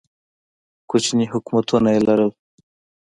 کوچني حکومتونه یې لرل.